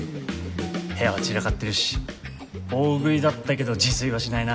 部屋は散らかってるし大食いだったけど自炊はしないな。